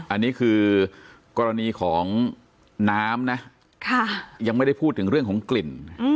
อันนี้คือกรณีของน้ำนะยังไม่ได้พูดถึงเรื่องของกลิ่น